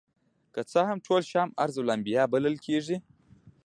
که څه هم ټول شام ارض الانبیاء بلل کیږي.